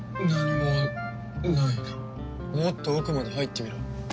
もっと奥まで入ってみろ。